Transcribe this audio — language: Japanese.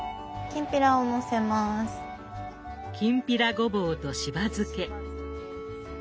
きんぴらごぼうとしば漬け。